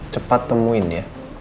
cepat temuin dia